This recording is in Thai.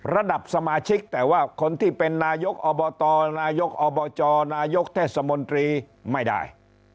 ระดับสมาชิกแต่ว่าคนที่เป็นนายกอบตนายกอบจนายกเทศมนตรีไม่ได้